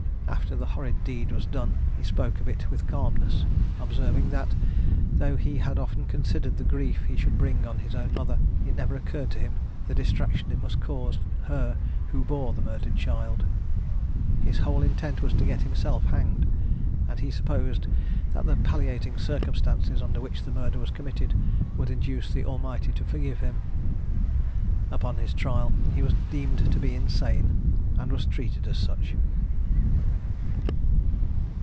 After the horrid deed was done, he spoke of it with calmness, observing that, though he had often considered the grief he should bring on his own mother, it never occurred to him the distraction it must cause her who bore the murdered child. His whole intent was to get himself hanged; and he supposed that the palliating circumstances under which the murder was committed would induce the Almighty to forgive him. Upon his trial he was deemed to be insane, and was treated as such.